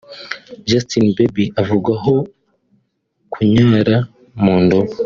Justin Bieber avugwaho kunyara mu ndobo